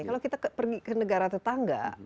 kalau kita pergi ke negara tetangga